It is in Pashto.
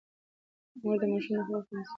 مور د ماشوم د خوب وخت تنظيموي.